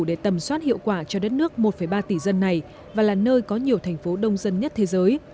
để tầm soát hiệu quả cho đất nước một ba tỷ dân này và là nơi có nhiều thành phố đông dân nhất thế giới